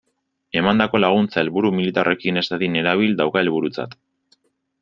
Emandako laguntza helburu militarrekin ez dadin erabil dauka helburutzat.